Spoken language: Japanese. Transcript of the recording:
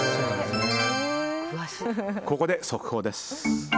ここで速報です。